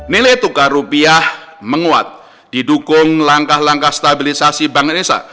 nilai tukar rupiah menguat didukung langkah langkah stabilisasi bank indonesia